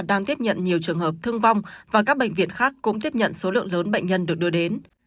đang tiếp nhận nhiều trường hợp thương vong và các bệnh viện khác cũng tiếp nhận số lượng lớn bệnh nhân được đưa đến